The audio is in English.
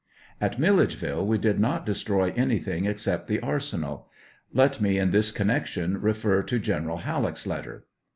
At Milledgeville we did not destroy anything except the arsenal. Let me in this connection refer to Gen eral Halleck's letter.